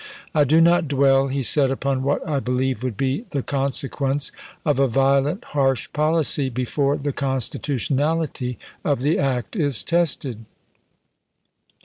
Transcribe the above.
" I do not dwell," he said, " upon what I believe would be the consequence of a violent, harsh policy, before the constitutionality of the act is tested.